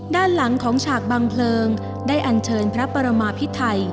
ด้านหลังของฉากบังเพลิงได้อันเชิญพระปรมาพิไทย